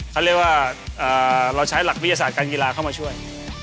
เขาเรียกว่าเราใช้หลักวิทยาศาสตร์การกีฬาเข้ามาช่วย